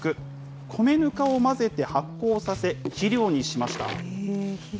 米ぬかを混ぜて発酵させ、肥料にしました。